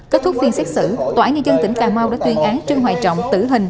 kết thúc phiên xét xử tòa án nhân dân tỉnh cà mau đã tuyên án trương hoài trọng tử hình